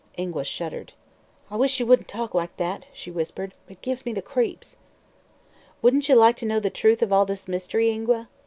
Ingua shuddered. "I wish ye wouldn't talk like that," she whispered. "It gives me the creeps." "Wouldn't you like to know the truth of all this mystery, Ingua?"